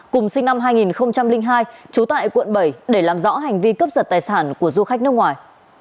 cùng sinh năm hai nghìn hai trú tại quận bảy để làm rõ hành vi cướp giật tài sản của du khách nước ngoài